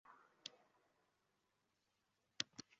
Erining topgani do`xtirgan ketgani uchun gapiryapman-da